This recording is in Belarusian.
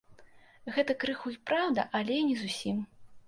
Гэта крыху й праўда, але не зусім.